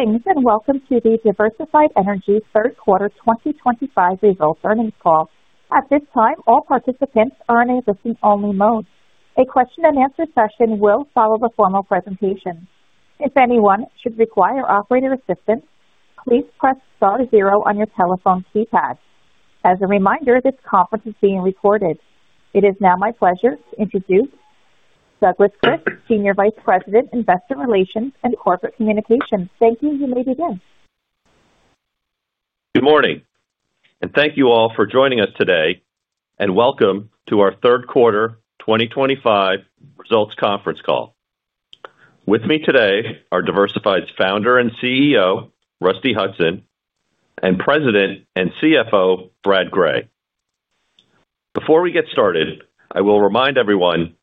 Greetings and welcome to the Diversified Energy third quarter 2025 results earnings call. At this time, all participants are in a listen-only mode. A question-and-answer session will follow the formal presentation. If anyone should require operator assistance, please press star zero on your telephone keypad. As a reminder, this conference is being recorded. It is now my pleasure to introduce Douglas Kris, Senior Vice President, Investor Relations and Corporate Communications. Thank you, you may begin. Good morning, and thank you all for joining us today, and welcome to our third quarter 2025 results conference call. With me today are Diversified's Founder and CEO, Rusty Hutson, and President and CFO, Brad Gray. Before we get started, I will remind everyone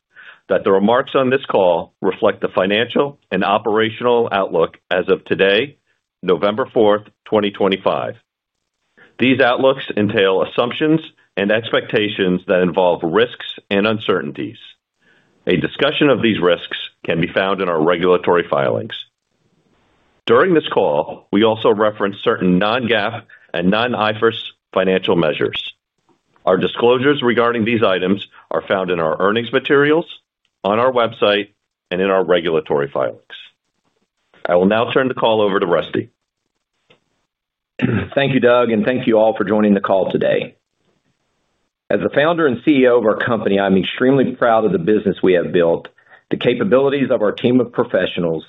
that the remarks on this call reflect the financial and operational outlook as of today, November 4th, 2025. These outlooks entail assumptions and expectations that involve risks and uncertainties. A discussion of these risks can be found in our regulatory filings. During this call, we also reference certain non-GAAP and non-IFRS financial measures. Our disclosures regarding these items are found in our earnings materials, on our website, and in our regulatory filings. I will now turn the call over to Rusty. Thank you, Doug, and thank you all for joining the call today. As the Founder and CEO of our company, I'm extremely proud of the business we have built, the capabilities of our team of professionals,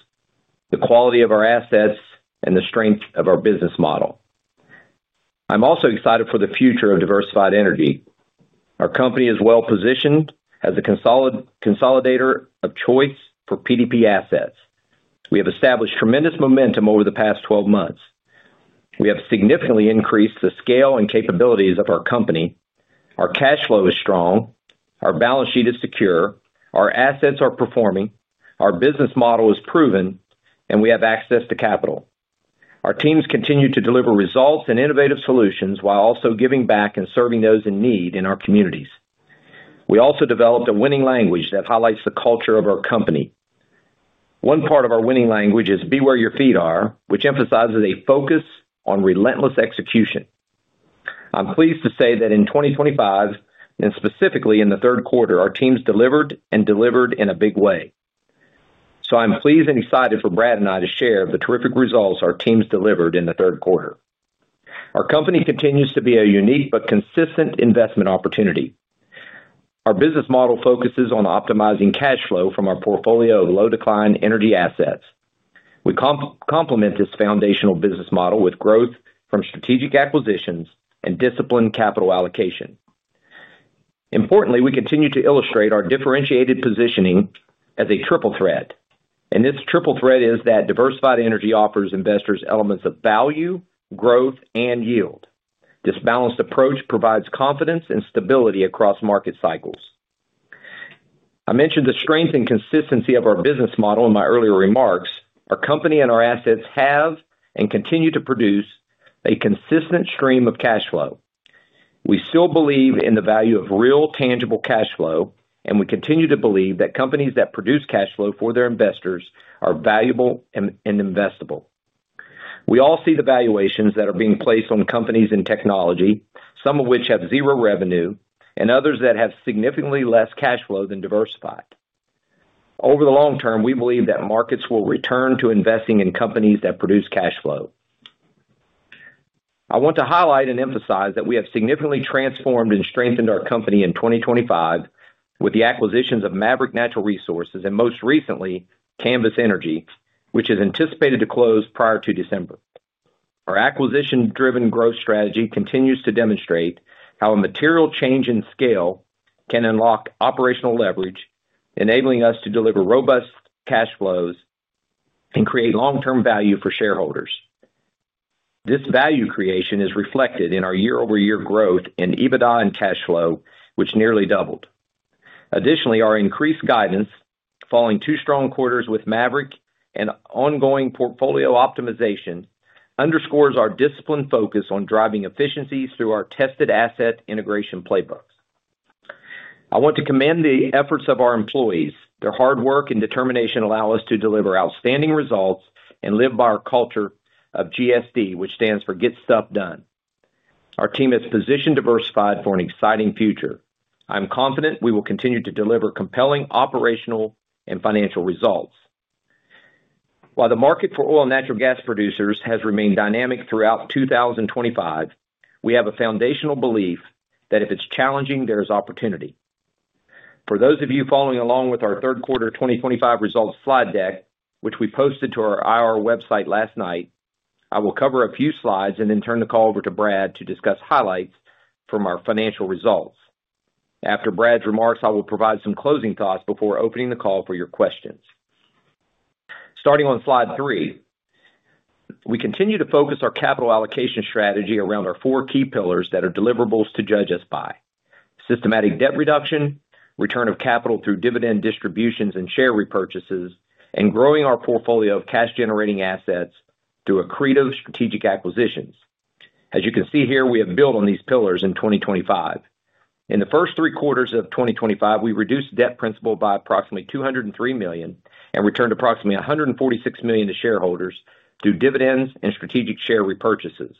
the quality of our assets, and the strength of our business model. I'm also excited for the future of Diversified Energy. Our company is well positioned as a consolidator of choice for PDP assets. We have established tremendous momentum over the past 12 months. We have significantly increased the scale and capabilities of our company. Our cash flow is strong. Our balance sheet is secure. Our assets are performing. Our business model is proven, and we have access to capital. Our teams continue to deliver results and innovative solutions while also giving back and serving those in need in our communities. We also developed a winning language that highlights the culture of our company. One part of our winning language is "Be Where Your Feet Are," which emphasizes a focus on relentless execution. I'm pleased to say that in 2025, and specifically in the third quarter, our teams delivered and delivered in a big way. So I'm pleased and excited for Brad and I to share the terrific results our teams delivered in the third quarter. Our company continues to be a unique but consistent investment opportunity. Our business model focuses on optimizing cash flow from our portfolio of low-decline energy assets. We complement this foundational business model with growth from strategic acquisitions and disciplined capital allocation. Importantly, we continue to illustrate our differentiated positioning as a triple threat. And this triple threat is that Diversified Energy offers investors elements of value, growth, and yield. This balanced approach provides confidence and stability across market cycles. I mentioned the strength and consistency of our business model in my earlier remarks. Our company and our assets have and continue to produce a consistent stream of cash flow. We still believe in the value of real, tangible cash flow, and we continue to believe that companies that produce cash flow for their investors are valuable and investable. We all see the valuations that are being placed on companies in technology, some of which have zero revenue and others that have significantly less cash flow than Diversified. Over the long term, we believe that markets will return to investing in companies that produce cash flow. I want to highlight and emphasize that we have significantly transformed and strengthened our company in 2025 with the acquisitions of Maverick Natural Resources and most recently Canvas Energy, which is anticipated to close prior to December. Our acquisition-driven growth strategy continues to demonstrate how a material change in scale can unlock operational leverage, enabling us to deliver robust cash flows and create long-term value for shareholders. This value creation is reflected in our year-over-year growth in EBITDA and cash flow, which nearly doubled. Additionally, our increased guidance, following two strong quarters with Maverick and ongoing portfolio optimization, underscores our disciplined focus on driving efficiencies through our tested asset integration playbooks. I want to commend the efforts of our employees. Their hard work and determination allow us to deliver outstanding results and live by our culture of GSD, which stands for Get Stuff Done. Our team is positioned Diversified for an exciting future. I'm confident we will continue to deliver compelling operational and financial results. While the market for oil and natural gas producers has remained dynamic throughout 2025, we have a foundational belief that if it's challenging, there is opportunity. For those of you following along with our third quarter 2025 results slide deck, which we posted to our IR website last night, I will cover a few slides and then turn the call over to Brad to discuss highlights from our financial results. After Brad's remarks, I will provide some closing thoughts before opening the call for your questions. Starting on slide three. We continue to focus our capital allocation strategy around our four key pillars that are deliverables to judge us by: systematic debt reduction, return of capital through dividend distributions and share repurchases, and growing our portfolio of cash-generating assets through accretive strategic acquisitions. As you can see here, we have built on these pillars in 2025. In the first three quarters of 2025, we reduced debt principal by approximately $203 million and returned approximately $146 million to shareholders through dividends and strategic share repurchases,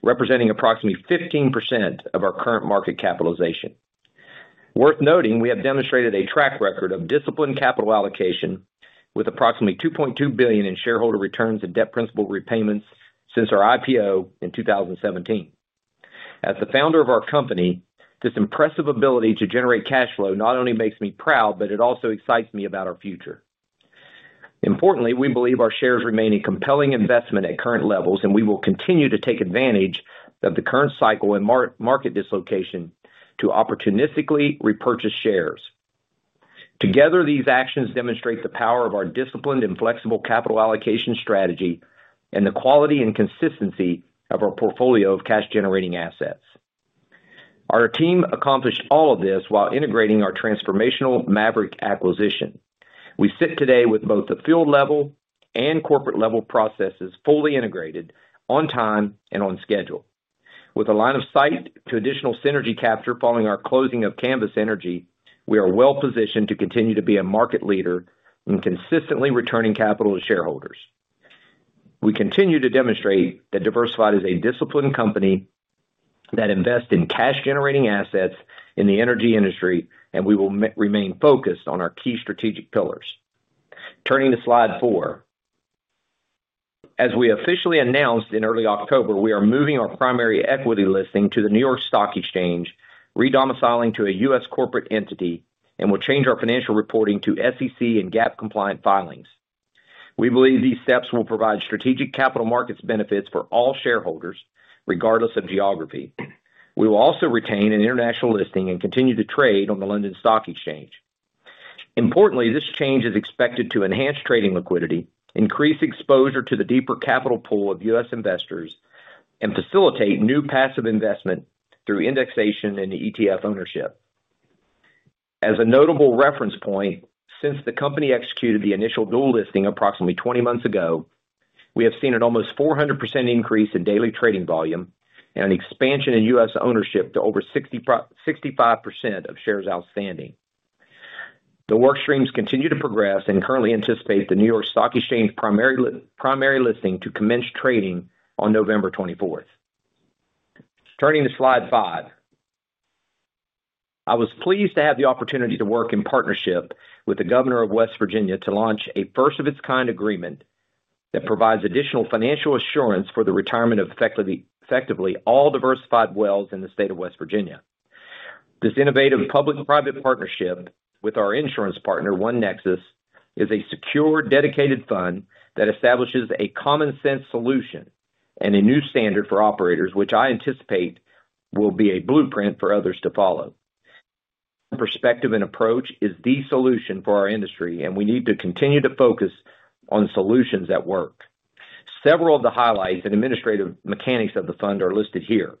representing approximately 15% of our current market capitalization. Worth noting, we have demonstrated a track record of disciplined capital allocation with approximately $2.2 billion in shareholder returns and debt principal repayments since our IPO in 2017. As the Founder of our company, this impressive ability to generate cash flow not only makes me proud, but it also excites me about our future. Importantly, we believe our shares remain a compelling investment at current levels, and we will continue to take advantage of the current cycle and market dislocation to opportunistically repurchase shares. Together, these actions demonstrate the power of our disciplined and flexible capital allocation strategy and the quality and consistency of our portfolio of cash-generating assets. Our team accomplished all of this while integrating our transformational Maverick acquisition. We sit today with both the field level and corporate level processes fully integrated, on time, and on schedule. With a line of sight to additional synergy capture following our closing of Canvas Energy, we are well positioned to continue to be a market leader in consistently returning capital to shareholders. We continue to demonstrate that Diversified is a disciplined company. That invests in cash-generating assets in the energy industry, and we will remain focused on our key strategic pillars. Turning to slide four. As we officially announced in early October, we are moving our primary equity listing to the New York Stock Exchange, re-domiciling to a U.S. corporate entity, and we'll change our financial reporting to SEC- and GAAP-compliant filings. We believe these steps will provide strategic capital markets benefits for all shareholders, regardless of geography. We will also retain an international listing and continue to trade on the London Stock Exchange. Importantly, this change is expected to enhance trading liquidity, increase exposure to the deeper capital pool of U.S. investors, and facilitate new passive investment through indexation and ETF ownership. As a notable reference point, since the company executed the initial dual listing approximately 20 months ago, we have seen an almost 400% increase in daily trading volume and an expansion in U.S. ownership to over 65% of shares outstanding. The workstreams continue to progress and currently anticipate the New York Stock Exchange primary listing to commence trading on November 24th. Turning to slide five. I was pleased to have the opportunity to work in partnership with the Governor of West Virginia to launch a first-of-its-kind agreement that provides additional financial assurance for the retirement of effectively all Diversified wells in the State of West Virginia. This innovative public-private partnership with our insurance partner, OneNexus, is a secure, dedicated fund that establishes a common-sense solution and a new standard for operators, which I anticipate will be a blueprint for others to follow. Perspective and approach is the solution for our industry, and we need to continue to focus on solutions that work. Several of the highlights and administrative mechanics of the fund are listed here.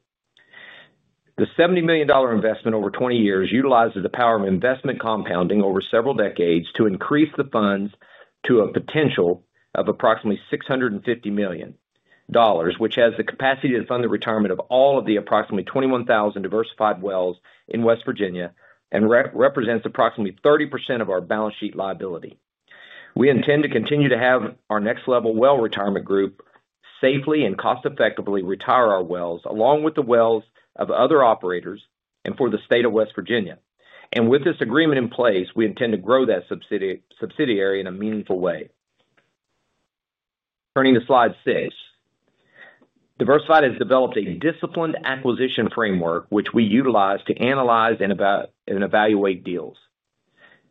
The $70 million investment over 20 years utilizes the power of investment compounding over several decades to increase the funds to a potential of approximately $650 million, which has the capacity to fund the retirement of all of the approximately 21,000 Diversified wells in West Virginia and represents approximately 30% of our balance sheet liability. We intend to continue to have our next-level Well Retirement Group safely and cost-effectively retire our wells, along with the wells of other operators and for the State of West Virginia. And with this agreement in place, we intend to grow that subsidiary in a meaningful way. Turning to slide six. Diversified has developed a disciplined acquisition framework, which we utilize to analyze and evaluate deals.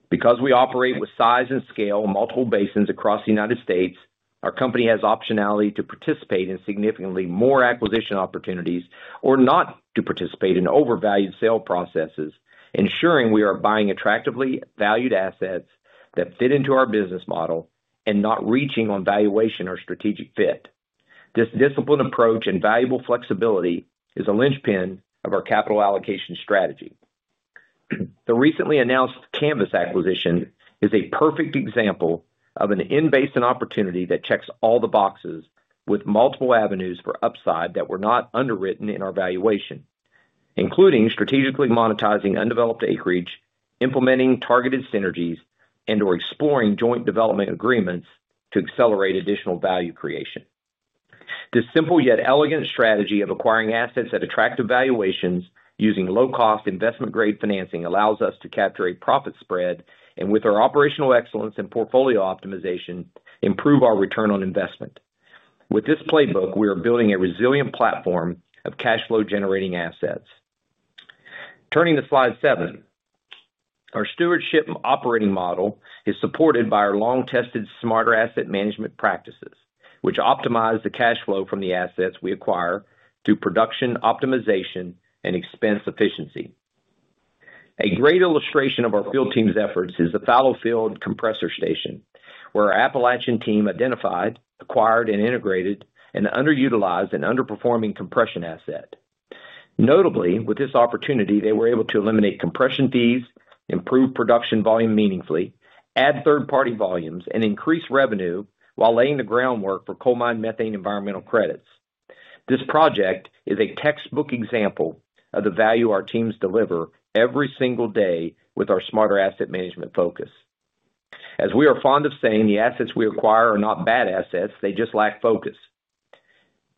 Because we operate with size and scale in multiple basins across the United States, our company has optionality to participate in significantly more acquisition opportunities or not to participate in overvalued sale processes, ensuring we are buying attractively valued assets that fit into our business model and not reaching on valuation or strategic fit. This disciplined approach and valuable flexibility is a linchpin of our capital allocation strategy. The recently announced Canvas acquisition is a perfect example of an in-basin opportunity that checks all the boxes with multiple avenues for upside that were not underwritten in our valuation, including strategically monetizing undeveloped acreage, implementing targeted synergies, and/or exploring joint development agreements to accelerate additional value creation. This simple yet elegant strategy of acquiring assets at attractive valuations using low-cost investment-grade financing allows us to capture a profit spread and, with our operational excellence and portfolio optimization, improve our return on investment. With this playbook, we are building a resilient platform of cash flow-generating assets. Turning to slide seven. Our stewardship operating model is supported by our long-tested Smarter Asset Management practices, which optimize the cash flow from the assets we acquire through production optimization and expense efficiency. A great illustration of our field team's efforts is the Fallowfield Compressor Station, where our Appalachian team identified, acquired, and integrated an underutilized and underperforming compression asset. Notably, with this opportunity, they were able to eliminate compression fees, improve production volume meaningfully, add third-party volumes, and increase revenue while laying the groundwork for coal mine methane environmental credits. This project is a textbook example of the value our teams deliver every single day with our Smarter Asset Management focus. As we are fond of saying, the assets we acquire are not bad assets; they just lack focus.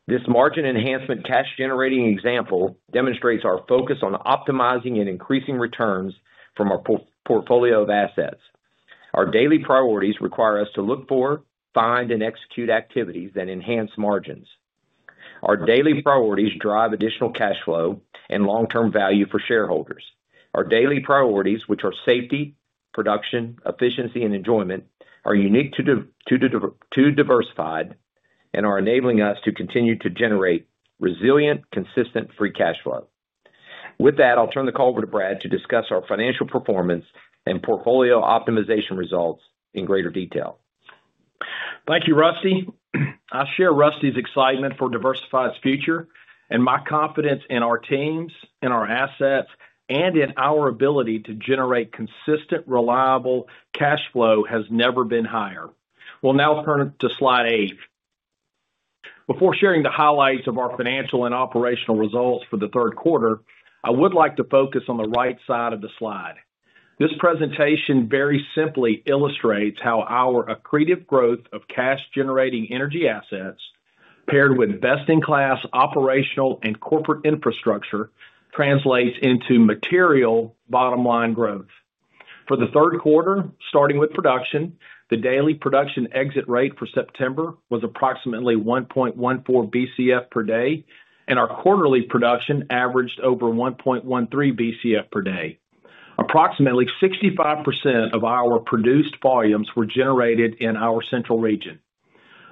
This margin enhancement cash-generating example demonstrates our focus on optimizing and increasing returns from our portfolio of assets. Our daily priorities require us to look for, find, and execute activities that enhance margins. Our daily priorities drive additional cash flow and long-term value for shareholders. Our daily priorities, which are safety, production, efficiency, and enjoyment, are unique to Diversified and are enabling us to continue to generate resilient, consistent free cash flow. With that, I'll turn the call over to Brad to discuss our financial performance and portfolio optimization results in greater detail. Thank you, Rusty. I share Rusty's excitement for Diversified's future, and my confidence in our teams, in our assets, and in our ability to generate consistent, reliable cash flow has never been higher. We'll now turn to slide eight. Before sharing the highlights of our financial and operational results for the third quarter, I would like to focus on the right side of the slide. This presentation very simply illustrates how our accretive growth of cash-generating energy assets, paired with best-in-class operational and corporate infrastructure, translates into material bottom-line growth. For the third quarter, starting with production, the daily production exit rate for September was approximately 1.14 Bcf per day, and our quarterly production averaged over 1.13 Bcf per day. Approximately 65% of our produced volumes were generated in our Central region.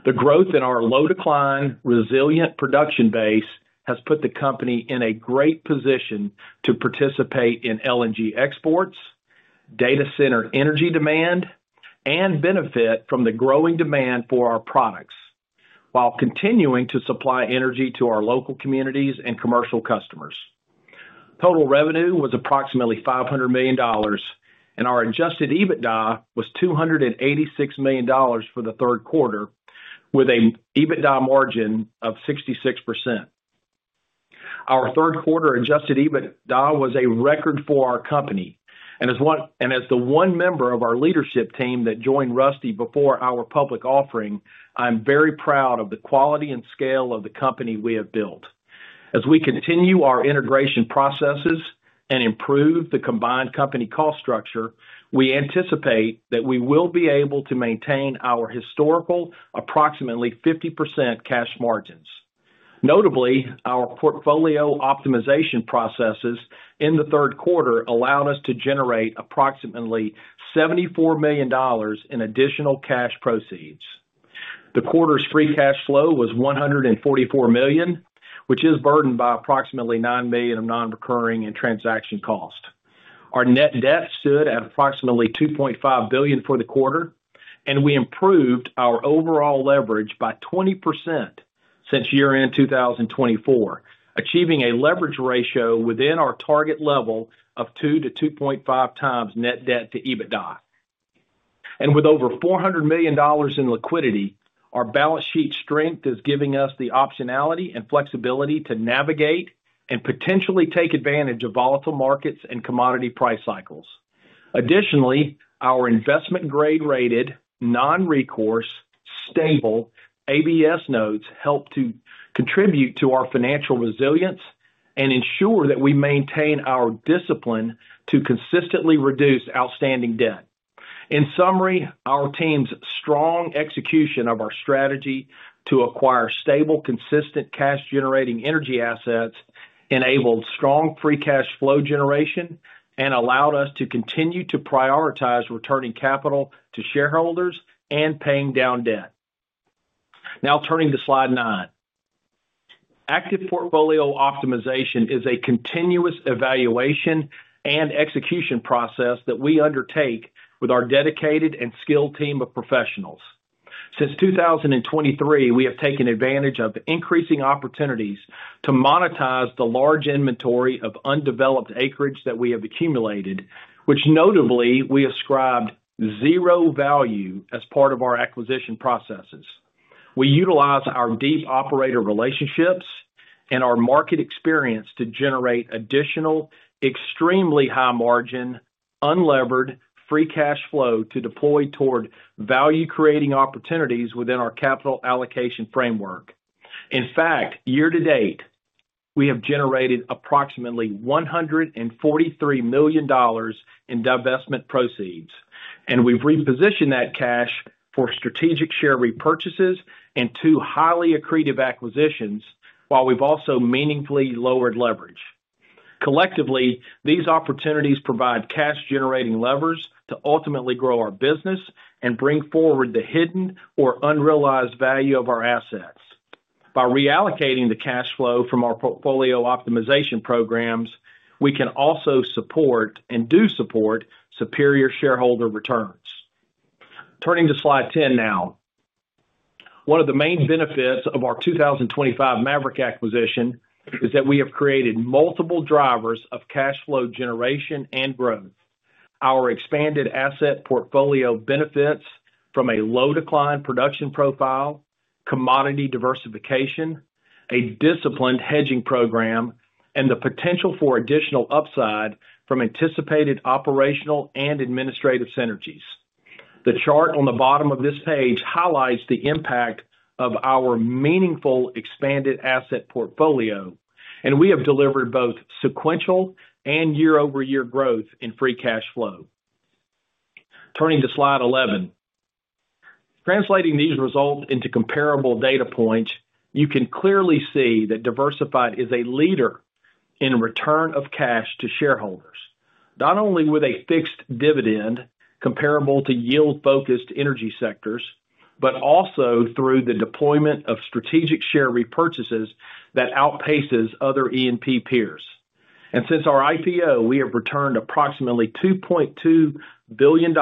The growth in our low-decline, resilient production base has put the company in a great position to participate in LNG exports, data center energy demand, and benefit from the growing demand for our products while continuing to supply energy to our local communities and commercial customers. Total revenue was approximately $500 million, and our adjusted EBITDA was $286 million for the third quarter, with an EBITDA margin of 66%. Our third quarter adjusted EBITDA was a record for our company. As the one member of our leadership team that joined Rusty before our public offering, I'm very proud of the quality and scale of the company we have built. As we continue our integration processes and improve the combined company cost structure, we anticipate that we will be able to maintain our historical approximately 50% cash margins. Notably, our portfolio optimization processes in the third quarter allowed us to generate approximately $74 million in additional cash proceeds. The quarter's free cash flow was $144 million, which is burdened by approximately $9 million of non-recurring and transaction cost. Our net debt stood at approximately $2.5 billion for the quarter, and we improved our overall leverage by 20% since year-end 2024, achieving a leverage ratio within our target level of 2x-2.5xnet debt to EBITDA. And with over $400 million in liquidity, our balance sheet strength is giving us the optionality and flexibility to navigate and potentially take advantage of volatile markets and commodity price cycles. Additionally, our investment-grade rated, non-recourse, stable ABS notes help to contribute to our financial resilience and ensure that we maintain our discipline to consistently reduce outstanding debt. In summary, our team's strong execution of our strategy to acquire stable, consistent cash-generating energy assets enabled strong free cash flow generation and allowed us to continue to prioritize returning capital to shareholders and paying down debt. Now, turning to slide nine. Active portfolio optimization is a continuous evaluation and execution process that we undertake with our dedicated and skilled team of professionals. Since 2023, we have taken advantage of increasing opportunities to monetize the large inventory of undeveloped acreage that we have accumulated, which notably we ascribed zero value as part of our acquisition processes. We utilize our deep operator relationships and our market experience to generate additional. Extremely high-margin, unlevered free cash flow to deploy toward value-creating opportunities within our capital allocation framework. In fact, year-to-date, we have generated approximately $143 million. In divestment proceeds, and we've repositioned that cash for strategic share repurchases and two highly accretive acquisitions, while we've also meaningfully lowered leverage. Collectively, these opportunities provide cash-generating levers to ultimately grow our business and bring forward the hidden or unrealized value of our assets. By reallocating the cash flow from our portfolio optimization programs, we can also support and do support superior shareholder returns. Turning to slide 10 now. One of the main benefits of our 2025 Maverick acquisition is that we have created multiple drivers of cash flow generation and growth. Our expanded asset portfolio benefits from a low-decline production profile, commodity diversification, a disciplined hedging program, and the potential for additional upside from anticipated operational and administrative synergies. The chart on the bottom of this page highlights the impact of our meaningful expanded asset portfolio, and we have delivered both sequential and year-over-year growth in free cash flow. Turning to slide 11. Translating these results into comparable data points, you can clearly see that Diversified is a leader in return of cash to shareholders, not only with a fixed dividend comparable to yield-focused energy sectors, but also through the deployment of strategic share repurchases that outpaces other E&P peers, and since our IPO, we have returned approximately $2.2 billion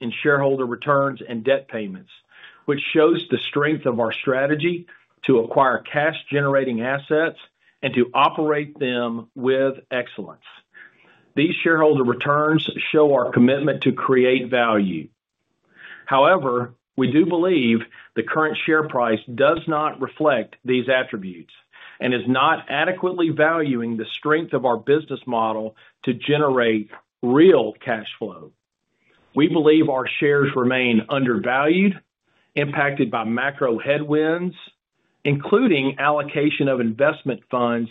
in shareholder returns and debt payments, which shows the strength of our strategy to acquire cash-generating assets and to operate them with excellence. These shareholder returns show our commitment to create value. However, we do believe the current share price does not reflect these attributes and is not adequately valuing the strength of our business model to generate real cash flow. We believe our shares remain undervalued, impacted by macro headwinds, including allocation of investment funds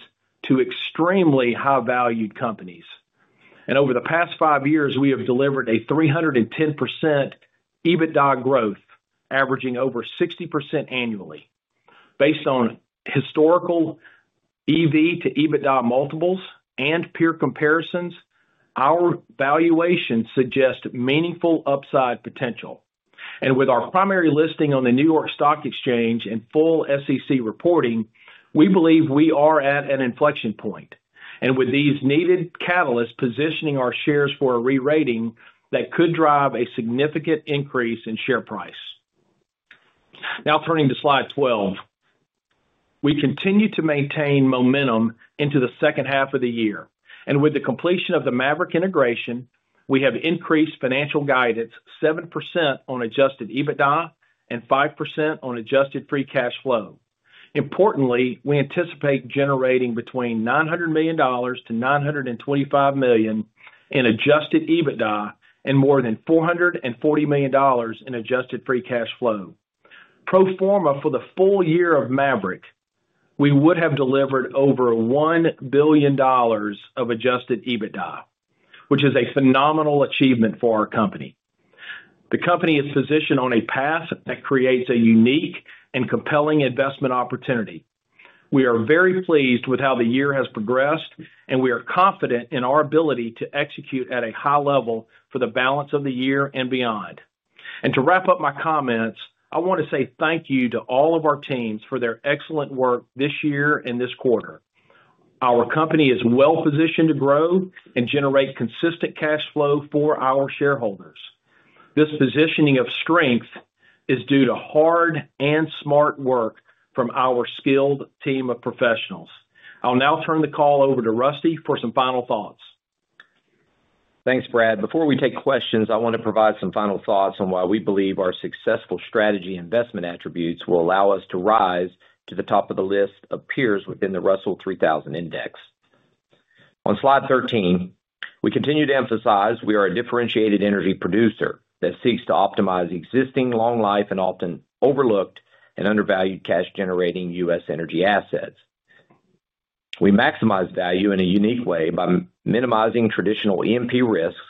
to extremely high-valued companies, and over the past five years, we have delivered a 310% EBITDA growth, averaging over 60% annually. Based on historical EV to EBITDA multiples and peer comparisons, our valuation suggests meaningful upside potential, and with our primary listing on the New York Stock Exchange and full SEC reporting, we believe we are at an inflection point, and with these needed catalysts positioning our shares for a re-rating that could drive a significant increase in share price. Now, turning to slide 12. We continue to maintain momentum into the second half of the year, and with the completion of the Maverick integration, we have increased financial guidance 7% on adjusted EBITDA and 5% on adjusted free cash flow. Importantly, we anticipate generating between $900-$925 million in adjusted EBITDA and more than $440 million in adjusted free cash flow. Pro forma for the full year of Maverick, we would have delivered over $1 billion of adjusted EBITDA, which is a phenomenal achievement for our company. The company is positioned on a path that creates a unique and compelling investment opportunity. We are very pleased with how the year has progressed, and we are confident in our ability to execute at a high level for the balance of the year and beyond, and to wrap up my comments, I want to say thank you to all of our teams for their excellent work this year and this quarter. Our company is well-positioned to grow and generate consistent cash flow for our shareholders. This positioning of strength is due to hard and smart work from our skilled team of professionals. I'll now turn the call over to Rusty for some final thoughts. Thanks, Brad. Before we take questions, I want to provide some final thoughts on why we believe our successful strategy investment attributes will allow us to rise to the top of the list of peers within the Russell 3000 Index. On slide 13, we continue to emphasize we are a differentiated energy producer that seeks to optimize existing, long-life, and often overlooked and undervalued cash-generating U.S. energy assets. We maximize value in a unique way by minimizing traditional E&P risks,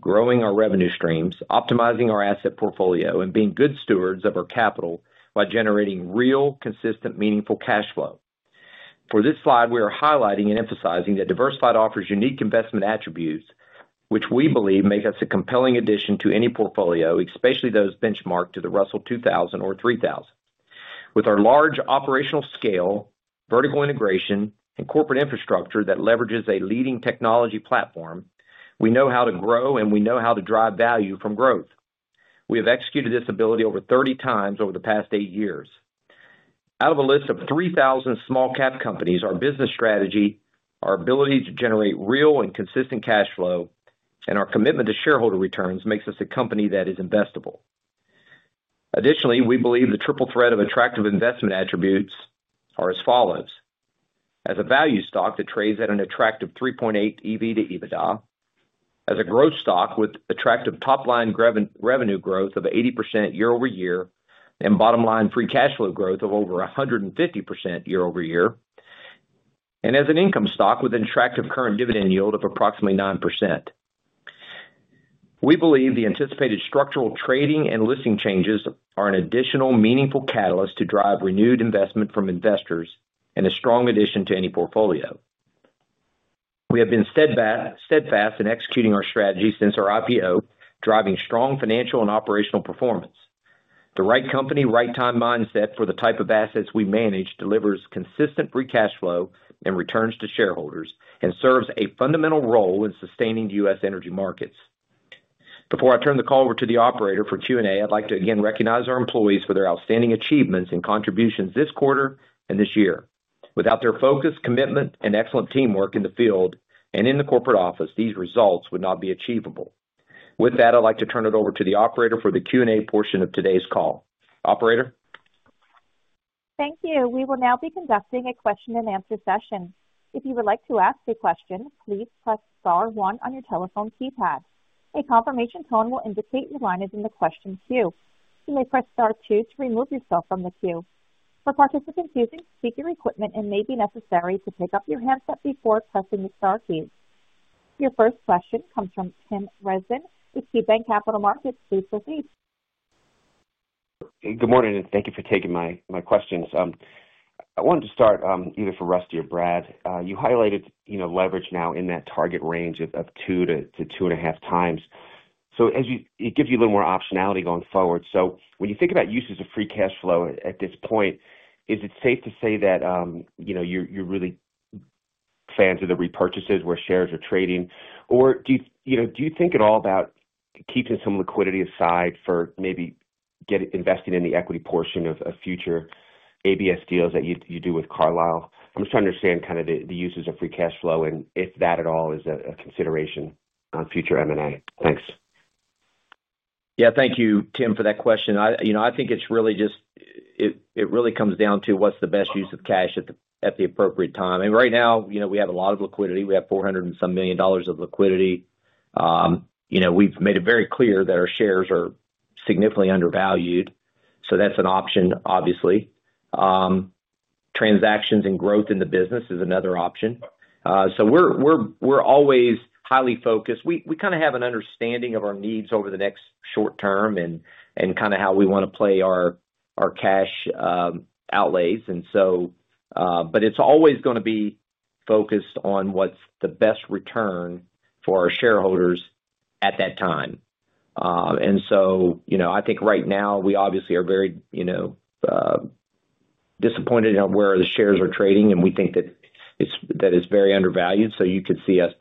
growing our revenue streams, optimizing our asset portfolio, and being good stewards of our capital by generating real, consistent, meaningful cash flow. For this slide, we are highlighting and emphasizing that Diversified offers unique investment attributes, which we believe make us a compelling addition to any portfolio, especially those benchmarked to the Russell 2000 or 3000. With our large operational scale, vertical integration, and corporate infrastructure that leverages a leading technology platform, we know how to grow, and we know how to drive value from growth. We have executed this ability over 30x over the past eight years. Out of a list of 3,000 small-cap companies, our business strategy, our ability to generate real and consistent cash flow, and our commitment to shareholder returns makes us a company that is investable. Additionally, we believe the triple threat of attractive investment attributes are as follows: as a value stock that trades at an attractive 3.8x EV to EBITDA, as a growth stock with attractive top-line revenue growth of 80% year-over-year and bottom-line free cash flow growth of over 150% year-over-year. And as an income stock with an attractive current dividend yield of approximately 9%. We believe the anticipated structural trading and listing changes are an additional meaningful catalyst to drive renewed investment from investors and a strong addition to any portfolio. We have been steadfast in executing our strategy since our IPO, driving strong financial and operational performance. The Right Company, Right Time mindset for the type of assets we manage delivers consistent free cash flow and returns to shareholders and serves a fundamental role in sustaining the U.S. energy markets. Before I turn the call over to the operator for Q&A, I'd like to again recognize our employees for their outstanding achievements and contributions this quarter and this year. Without their focus, commitment, and excellent teamwork in the field and in the corporate office, these results would not be achievable. With that, I'd like to turn it over to the operator for the Q&A portion of today's call. Operator. Thank you. We will now be conducting a question-and-answer session. If you would like to ask a question, please press star one on your telephone keypad. A confirmation tone will indicate your line is in the question queue. You may press star two to remove yourself from the queue. For participants using speaker equipment, it may be necessary to pick up your hands up before pressing the star key. Your first question comes from Tim Rezvan with KeyBanc Capital Markets. Please proceed. Good morning, and thank you for taking my questions. I wanted to start either for Rusty or Brad. You highlighted leverage now in that target range of 2x-2.5x. So it gives you a little more optionality going forward. So when you think about uses of free cash flow at this point, is it safe to say that. You're really. On the repurchases where shares are trading? Or do you think at all about keeping some liquidity aside for maybe investing in the equity portion of future ABS deals that you do with Carlyle? I'm just trying to understand kind of the uses of free cash flow and if that at all is a consideration on future M&A. Thanks. Yeah, thank you, Tim, for that question. I think it's really just. It really comes down to what's the best use of cash at the appropriate time. And right now, we have a lot of liquidity. We have $400 and some million dollars of liquidity. We've made it very clear that our shares are significantly undervalued. So that's an option, obviously. Transactions and growth in the business is another option. So we're always highly focused. We kind of have an understanding of our needs over the next short term and kind of how we want to play our cash outlays. But it's always going to be focused on what's the best return for our shareholders at that time. And so I think right now, we obviously are very disappointed in where the shares are trading, and we think that it's very undervalued. So you could see us,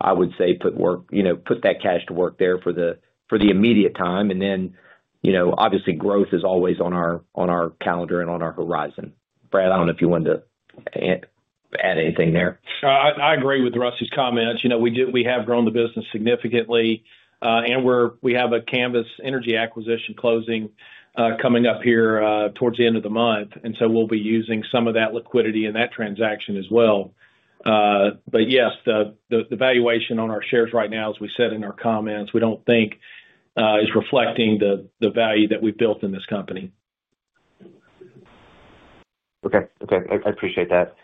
I would say, put that cash to work there for the immediate time. And then, obviously, growth is always on our calendar and on our horizon. Brad, I don't know if you wanted to add anything there. I agree with Rusty's comments. We have grown the business significantly, and we have a Canvas Energy Acquisition closing coming up here towards the end of the month. And so we'll be using some of that liquidity in that transaction as well. But yes, the valuation on our shares right now, as we said in our comments, we don't think is reflecting the value that we've built in this company. Okay. Okay. I appreciate that.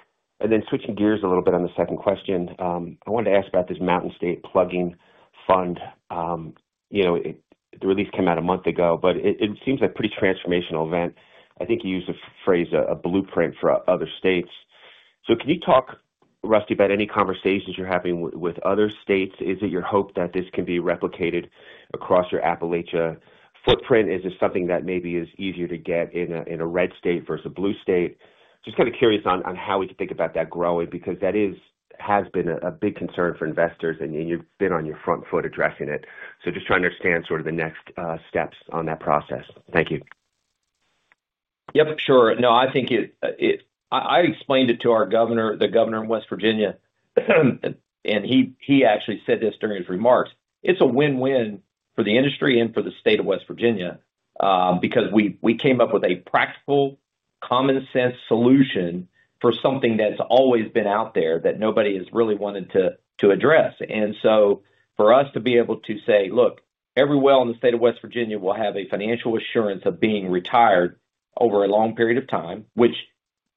And then switching gears a little bit on the second question, I wanted to ask about this Mountain State Plugging Fund. The release came out a month ago, but it seems like a pretty transformational event. I think you used the phrase "a blueprint for other states." So can you talk, Rusty, about any conversations you're having with other states? Is it your hope that this can be replicated across your Appalachia footprint? Is it something that maybe is easier to get in a red state versus a blue state? Just kind of curious on how we could think about that growing because that has been a big concern for investors, and you've been on your front foot addressing it. So just trying to understand sort of the next steps on that process. Thank you. Yep. Sure. No, I think I explained it to the governor in West Virginia. And he actually said this during his remarks. It's a win-win for the industry and for the State of West Virginia because we came up with a practical, common-sense solution for something that's always been out there that nobody has really wanted to address. And so for us to be able to say, "Look, every well in the State of West Virginia will have a financial assurance of being retired over a long period of time," which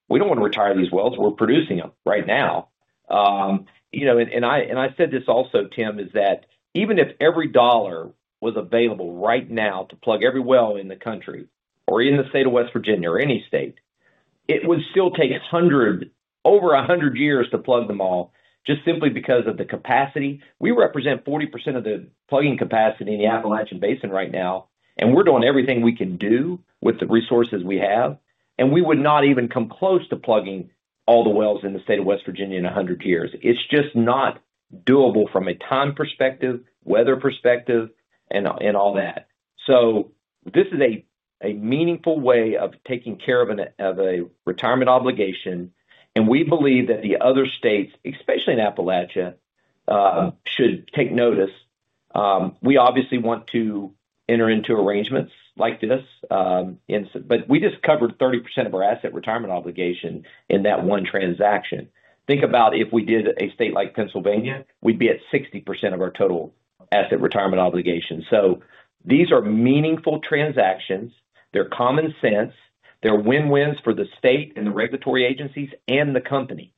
we don't want to retire these wells. We're producing them right now. And I said this also, Tim, is that even if every dollar was available right now to plug every well in the country or in the State of West Virginia or any state, it would still take over 100 years to plug them all just simply because of the capacity. We represent 40% of the plugging capacity in the Appalachian Basin right now, and we're doing everything we can do with the resources we have. And we would not even come close to plugging all the wells in the State of West Virginia in 100 years. It's just not doable from a time perspective, weather perspective, and all that. So this is a meaningful way of taking care of a retirement obligation. And we believe that the other states, especially in Appalachia, should take notice. We obviously want to enter into arrangements like this. But we just covered 30% of our asset retirement obligation in that one transaction. Think about if we did a state like Pennsylvania, we'd be at 60% of our total asset retirement obligation. So these are meaningful transactions. They're common sense. They're win-wins for the state and the regulatory agencies and the company.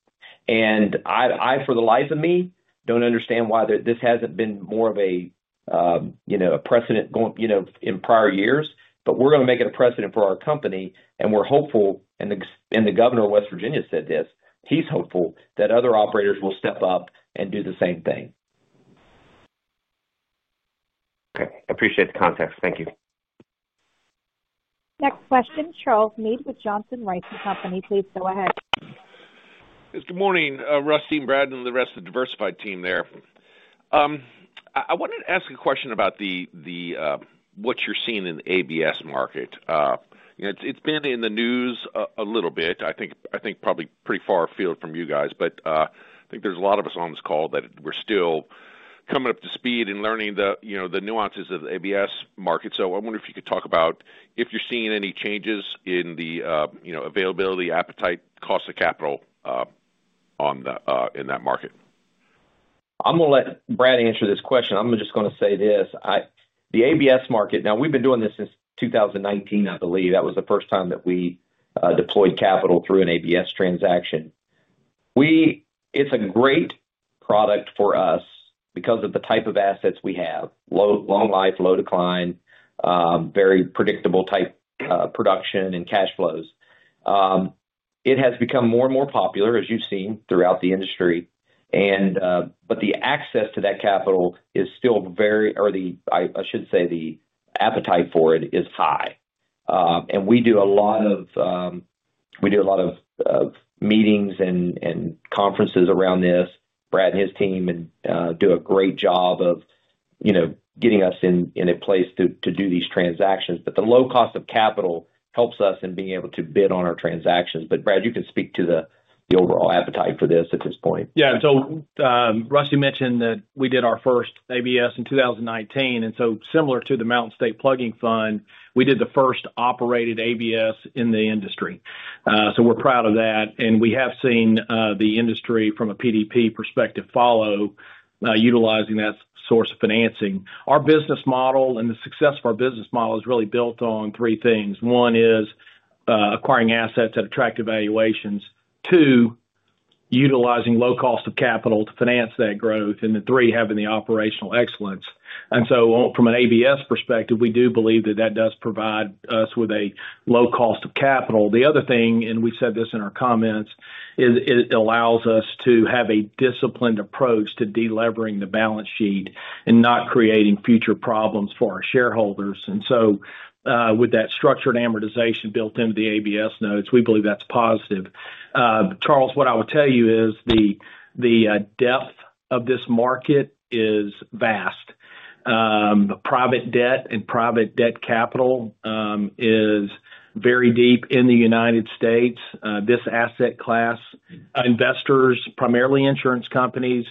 And I, for the life of me, don't understand why this hasn't been more of a precedent in prior years, but we're going to make it a precedent for our company. And we're hopeful, and the governor of West Virginia said this, he's hopeful that other operators will step up and do the same thing. Okay. Appreciate the context. Thank you. Next question, Charles Meade with Johnson Rice & Company. Please go ahead. Good morning, Rusty and Brad and the rest of the Diversified team there. I wanted to ask a question about what you're seeing in the ABS market. It's been in the news a little bit, I think, probably pretty far afield from you guys, but I think there's a lot of us on this call that we're still coming up to speed and learning the nuances of the ABS market. So I wonder if you could talk about if you're seeing any changes in the availability, appetite, cost of capital in that market. I'm going to let Brad answer this question. I'm just going to say this. The ABS market, now, we've been doing this since 2019, I believe. That was the first time that we deployed capital through an ABS transaction. It's a great product for us because of the type of assets we have: long life, low decline. Very predictable type production and cash flows. It has become more and more popular, as you've seen, throughout the industry. But the access to that capital is still very, or I should say the appetite for it is high. And we do a lot of meetings and conferences around this. Brad and his team do a great job of getting us in a place to do these transactions. But the low cost of capital helps us in being able to bid on our transactions. But Brad, you can speak to the overall appetite for this at this point. Yeah. And so Rusty mentioned that we did our first ABS in 2019. And so similar to the Mountain State Plugging Fund, we did the first operated ABS in the industry. So we're proud of that. And we have seen the industry, from a PDP perspective, follow, utilizing that source of financing. Our business model and the success of our business model is really built on three things. One is acquiring assets at attractive valuations, two, utilizing low cost of capital to finance that growth, and three, having the operational excellence. And so from an ABS perspective, we do believe that that does provide us with a low cost of capital. The other thing, and we said this in our comments, is it allows us to have a disciplined approach to delevering the balance sheet and not creating future problems for our shareholders. And so with that structured amortization built into the ABS notes, we believe that's positive. Charles, what I will tell you is the depth of this market is vast. Private debt capital is very deep in the United States. This asset class investors, primarily insurance companies,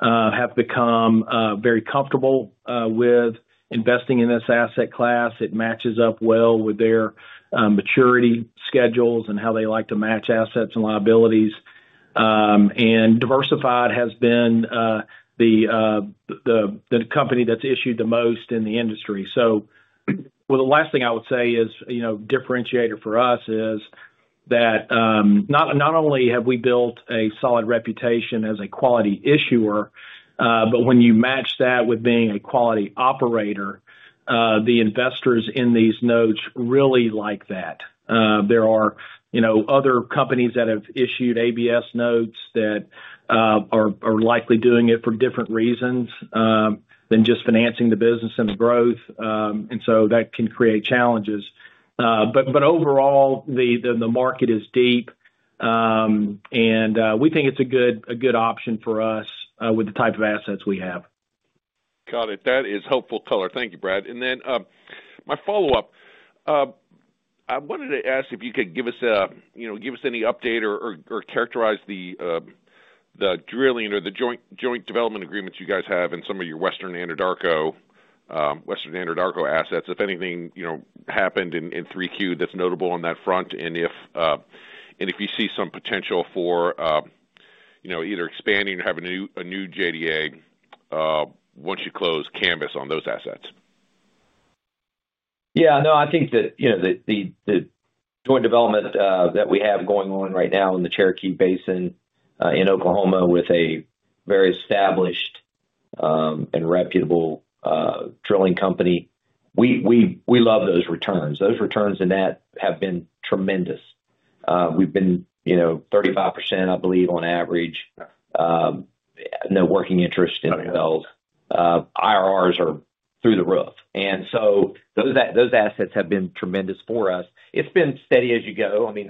have become very comfortable with investing in this asset class. It matches up well with their maturity schedules and how they like to match assets and liabilities. And Diversified has been the company that's issued the most in the industry. So, well, the last thing I would say is differentiator for us is that not only have we built a solid reputation as a quality issuer, but when you match that with being a quality operator, the investors in these notes really like that. There are other companies that have issued ABS notes that are likely doing it for different reasons than just financing the business and the growth. And so that can create challenges. But overall, the market is deep. And we think it's a good option for us with the type of assets we have. Got it. That is helpful color. Thank you, Brad. And then my follow-up. I wanted to ask if you could give us any update or characterize the drilling or the joint development agreements you guys have and some of your Western Anadarko. Assets, if anything happened in 3Q that's notable on that front, and if you see some potential for either expanding or having a new JDA once you close Canvas on those assets. Yeah. No, I think that the joint development that we have going on right now in the Cherokee Basin in Oklahoma with a very established and reputable drilling company. We love those returns. Those returns in that have been tremendous. We've been 35%, I believe, on average. Our working interest in the build. IRRs are through the roof. And so those assets have been tremendous for us. It's been steady as you go. I mean,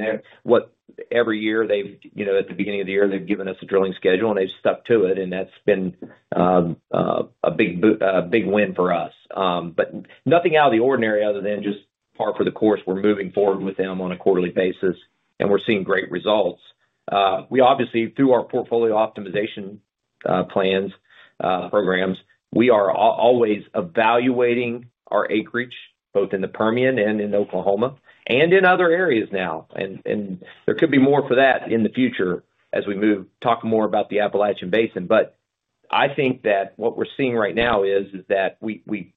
every year, at the beginning of the year, they've given us a drilling schedule, and they've stuck to it. And that's been a big win for us. But nothing out of the ordinary other than just par for the course. We're moving forward with them on a quarterly basis, and we're seeing great results. We obviously, through our portfolio optimization programs, we are always evaluating our acreage, both in the Permian and in Oklahoma and in other areas now. And there could be more for that in the future as we talk more about the Appalachian Basin. But I think that what we're seeing right now is that we've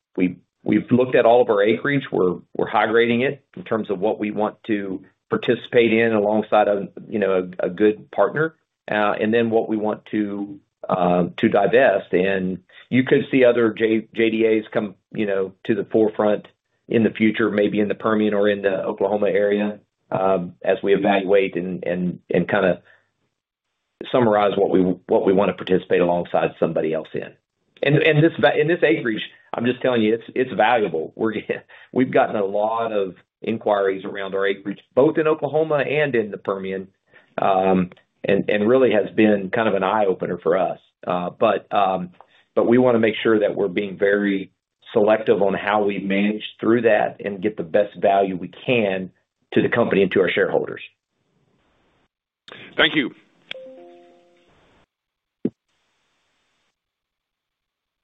looked at all of our acreage. We're high-grading it in terms of what we want to participate in alongside a good partner. And then what we want to divest. And you could see other JDAs come to the forefront in the future, maybe in the Permian or in the Oklahoma area, as we evaluate and kind of summarize what we want to participate alongside somebody else in. And this acreage, I'm just telling you, it's valuable. We've gotten a lot of inquiries around our acreage, both in Oklahoma and in the Permian. And really has been kind of an eye-opener for us. But we want to make sure that we're being very selective on how we manage through that and get the best value we can to the company and to our shareholders. Thank you.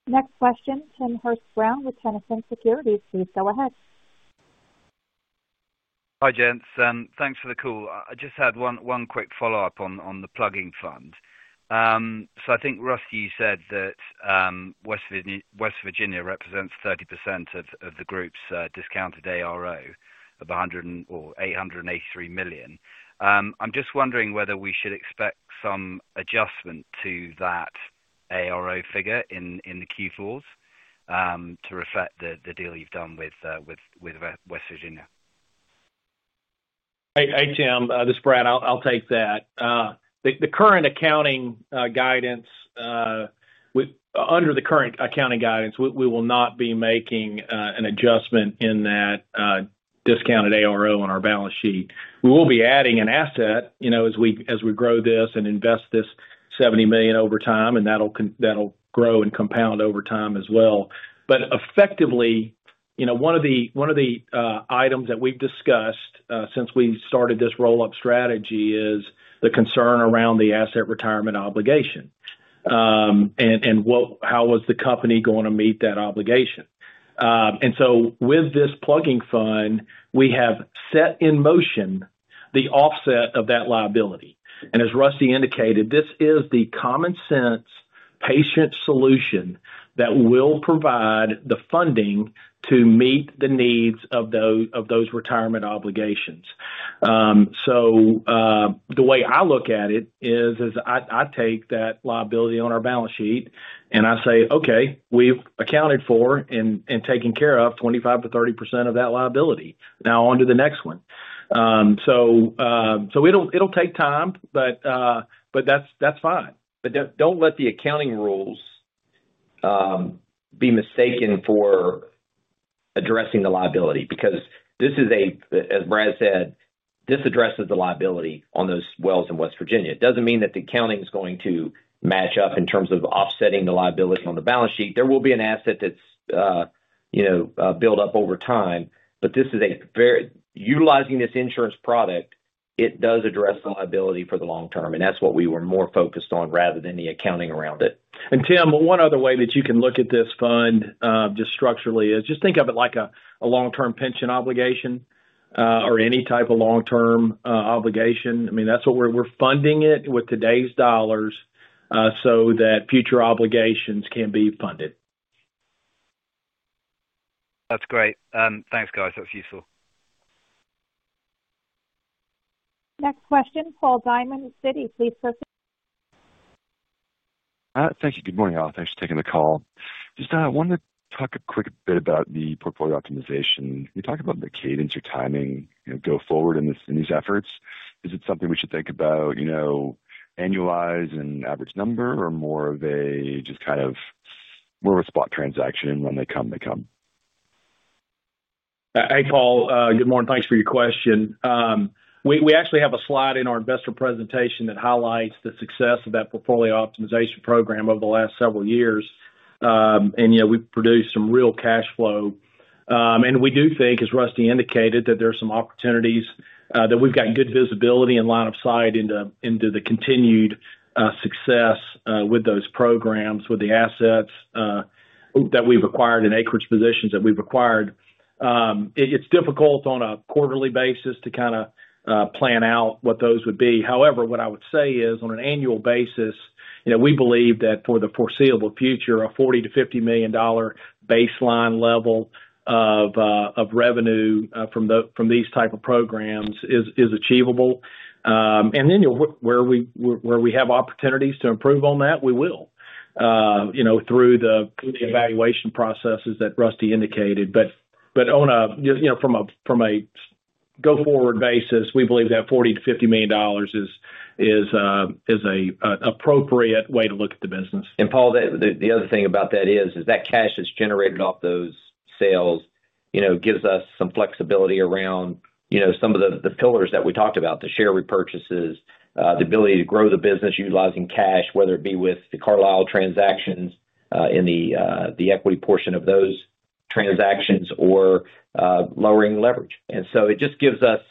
Next question, Tim Hurst-Brown with Tennyson Securities. Please go ahead. Hi, Gents. Thanks for the call. I just had one quick follow-up on the Plugging Fund. So I think, Rusty, you said that West Virginia represents 30% of the group's discounted ARO of $883 million. I'm just wondering whether we should expect some adjustment to that ARO figure in the Q4s to reflect the deal you've done with West Virginia. Hey, Tim. This is Brad. I'll take that. The current accounting guidance. Under the current accounting guidance, we will not be making an adjustment in that discounted ARO on our balance sheet. We will be adding an asset as we grow this and invest this $70 million over time, and that'll grow and compound over time as well. But effectively. One of the items that we've discussed since we started this roll-up strategy is the concern around the asset retirement obligation. And how was the company going to meet that obligation? And so with this Plugging Fund, we have set in motion the offset of that liability. And as Rusty indicated, this is the common-sense patient solution that will provide the funding to meet the needs of those retirement obligations. So. The way I look at it is I take that liability on our balance sheet and I say, "Okay, we've accounted for and taken care of 25%-30% of that liability. Now on to the next one." So. It'll take time, but. That's fine. But don't let the accounting rules. Be mistaken for. Addressing the liability because this is a, as Brad said, this addresses the liability on those wells in West Virginia. It doesn't mean that the accounting is going to match up in terms of offsetting the liability on the balance sheet. There will be an asset that's. Built up over time, but this is a. Utilizing this insurance product, it does address the liability for the long term. And that's what we were more focused on rather than the accounting around it. And Tim, one other way that you can look at this fund just structurally is just think of it like a long-term pension obligation or any type of long-term obligation. I mean, that's what we're funding it with today's dollars so that future obligations can be funded. That's great. Thanks, guys. That's useful. Next question, Paul Diamond with Citi. Please go ahead. Thank you. Good morning, y'all. Thanks for taking the call. Just wanted to talk a quick bit about the portfolio optimization. You talked about the cadence or timing and go forward in these efforts. Is it something we should think about. Annualized and average number, or more of a just kind of. More of a spot transaction? When they come, they come. Hey, Paul. Good morning. Thanks for your question. We actually have a slide in our investor presentation that highlights the success of that portfolio optimization program over the last several years. And we've produced some real cash flow. And we do think, as Rusty indicated, that there are some opportunities that we've got good visibility and line of sight into the continued. Success with those programs, with the assets. That we've acquired and acreage positions that we've acquired. It's difficult on a quarterly basis to kind of plan out what those would be. However, what I would say is on an annual basis, we believe that for the foreseeable future, a $40 million-$50 million baseline level of. Revenue from these types of programs is achievable. And then where we have opportunities to improve on that, we will. Through the evaluation processes that Rusty indicated. But. From a go forward basis, we believe that $40 million-$50 million is. An appropriate way to look at the business. And Paul, the other thing about that is that cash that's generated off those sales gives us some flexibility around some of the pillars that we talked about: the share repurchases, the ability to grow the business utilizing cash, whether it be with the Carlyle transactions in the equity portion of those transactions, or lowering leverage. And so it just gives us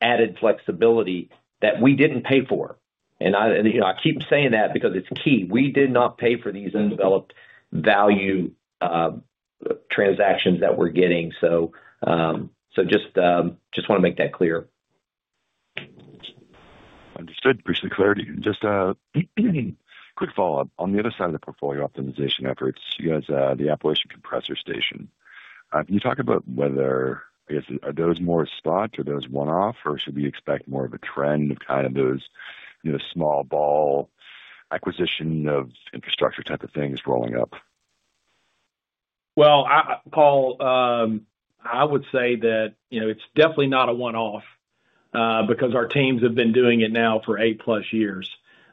added flexibility that we didn't pay for. And I keep saying that because it's key. We did not pay for these undeveloped value transactions that we're getting. So just want to make that clear. Understood. Appreciate the clarity. Just a quick follow-up on the other side of the portfolio optimization efforts, you guys have the Appalachian Compressor Station. Can you talk about whether, I guess, are those more spot or those one-off, or should we expect more of a trend of kind of those small ball acquisition of infrastructure type of things rolling up? Well, Paul, I would say that it's definitely not a one-off because our teams have been doing it now for 8+ years.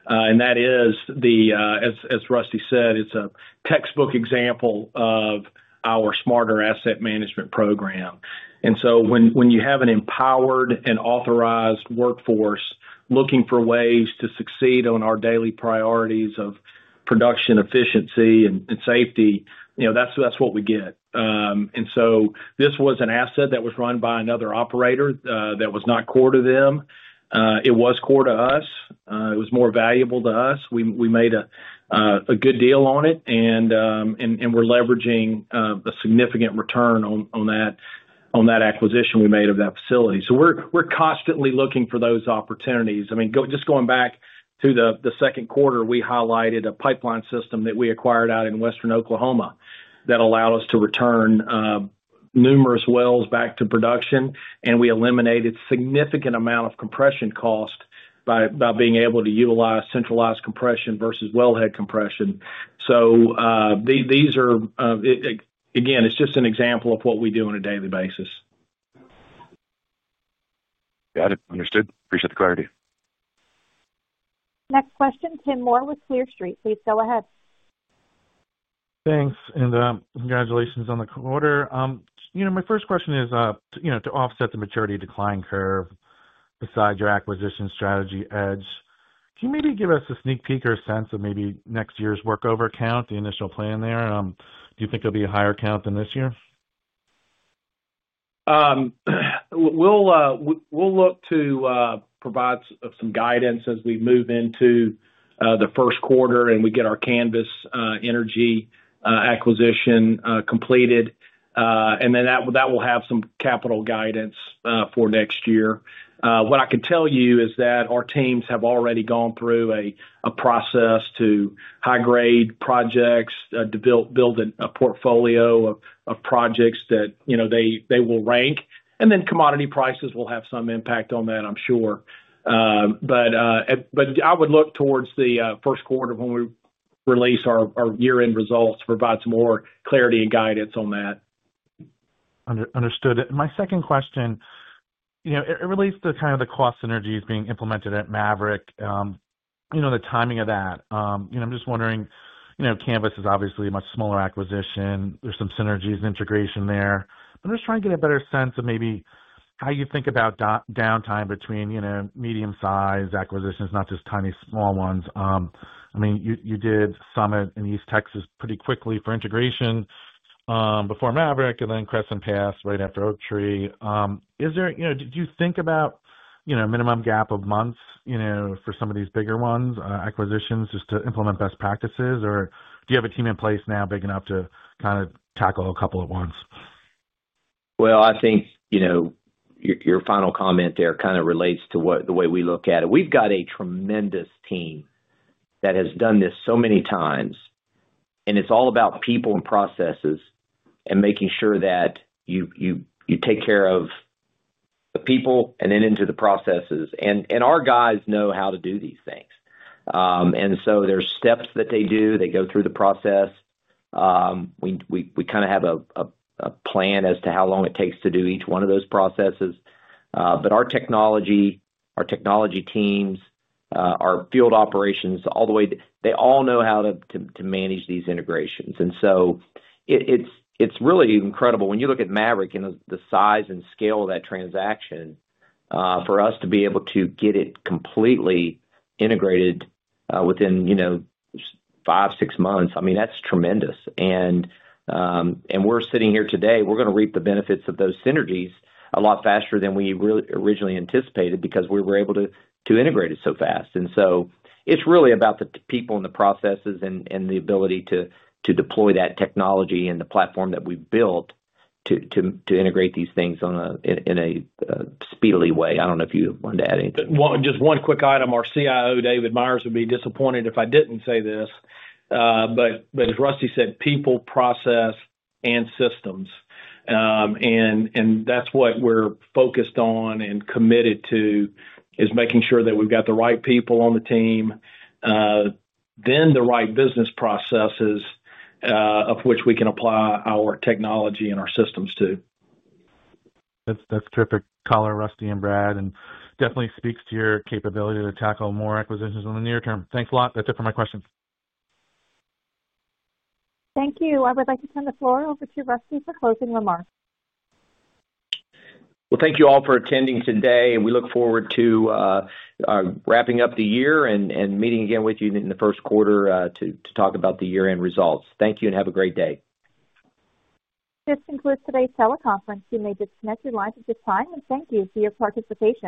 And that is, as Rusty said, it's a textbook example of our smarter asset management program. And so when you have an empowered and authorized workforce looking for ways to succeed on our daily priorities of production efficiency and safety, that's what we get. And so this was an asset that was run by another operator that was not core to them. It was core to us. It was more valuable to us. We made a good deal on it, and we're leveraging a significant return on that acquisition we made of that facility. So we're constantly looking for those opportunities. I mean, just going back to the second quarter, we highlighted a pipeline system that we acquired out in Western Oklahoma that allowed us to return numerous wells back to production, and we eliminated a significant amount of compression cost by being able to utilize centralized compression versus wellhead compression. So these are again, it's just an example of what we do on a daily basis. Got it. Understood. Appreciate the clarity. Next question, Tim Moore with Clear Street. Please go ahead. Thanks. And congratulations on the quarter. My first question is to offset the maturity decline curve besides your acquisition strategy edge, can you maybe give us a sneak peek or a sense of maybe next year's workover count, the initial plan there? Do you think it'll be a higher count than this year? We'll look to provide some guidance as we move into the first quarter and we get our Canvas Energy Acquisition completed. And then that will have some capital guidance for next year. What I can tell you is that our teams have already gone through a process to high-grade projects to build a portfolio of projects that they will rank. And then commodity prices will have some impact on that, I'm sure. But. I would look towards the first quarter when we release our year-end results to provide some more clarity and guidance on that. Understood. And my second question. It relates to kind of the cost synergies being implemented at Maverick. The timing of that. I'm just wondering, Canvas is obviously a much smaller acquisition. There's some synergies and integration there. I'm just trying to get a better sense of maybe how you think about downtime between medium-sized acquisitions, not just tiny small ones. I mean, you did Summit in East Texas pretty quickly for integration. Before Maverick, and then Crescent Pass right after Oaktree. Is there, do you think about a minimum gap of months for some of these bigger ones, acquisitions, just to implement best practices? Or do you have a team in place now big enough to kind of tackle a couple at once? Well, I think your final comment there kind of relates to the way we look at it. We've got a tremendous team that has done this so many times, and it's all about people and processes and making sure that you take care of the people and then the processes. And our guys know how to do these things. And so there's steps that they do. They go through the process. We kind of have a plan as to how long it takes to do each one of those processes. But our technology teams, our field operations, all the way, they all know how to manage these integrations. And so it's really incredible. When you look at Maverick and the size and scale of that transaction. For us to be able to get it completely integrated within five, six months, I mean, that's tremendous. And we're sitting here today, we're going to reap the benefits of those synergies a lot faster than we originally anticipated because we were able to integrate it so fast. And so it's really about the people and the processes and the ability to deploy that technology and the platform that we've built to integrate these things in a speedily way. I don't know if you wanted to add anything. Just one quick item. Our CIO, David Myers, would be disappointed if I didn't say this. But as Rusty said, people, process, and systems. And that's what we're focused on and committed to, is making sure that we've got the right people on the team. Then the right business processes of which we can apply our technology and our systems to. That's terrific color, Rusty and Brad, and definitely speaks to your capability to tackle more acquisitions in the near term. Thanks a lot. That's it for my questions. Thank you. I would like to turn the floor over to Rusty for closing remarks. Well, thank you all for attending today. We look forward to wrapping up the year and meeting again with you in the first quarter to talk about the year-end results. Thank you and have a great day. This concludes today's teleconference. You may disconnect your lines at this time. And thank you for your participation.